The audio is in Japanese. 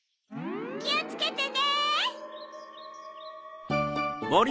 きをつけてね。